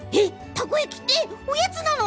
タコ焼きっておやつなの？